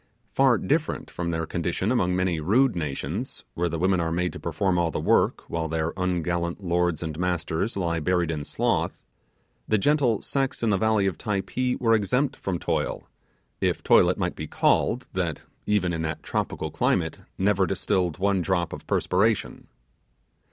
Far different from their condition among many rude nations, where the women are made to perform all the work while their ungallant lords and masters lie buried in sloth, the gentle sex in the valley of Typee were exempt from toil, if toil it might be called that, even in the tropical climate, never distilled one drop of perspiration.